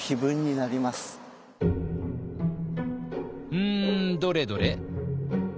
うんどれどれ？